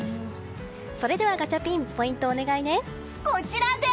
それではガチャピンポイント、お願いね。